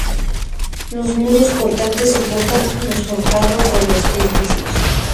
Los muros portantes soportan los forjados de los edificios.